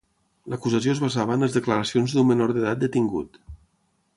L'acusació es basava en les declaracions d'un menor d'edat detingut.